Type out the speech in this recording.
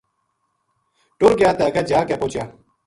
ٹُر گیا تے اگے جا کے پوہچیا۔